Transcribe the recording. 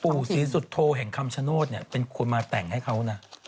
ปู่ศรีสุโธแห่งคำชโนธเป็นคนมาแต่งให้เขานะ